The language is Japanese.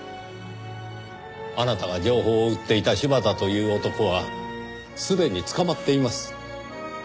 あなたが情報を売っていた柴田という男はすでに捕まっています。